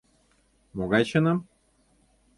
Могай чыным?